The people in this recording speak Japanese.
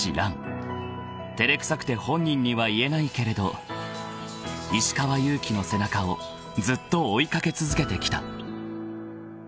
［照れくさくて本人には言えないけれど石川祐希の背中をずっと追い掛け続けてきた］